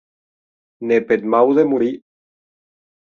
Ne peth mau de morir!